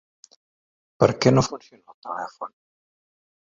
Per què no funciona el telèfon?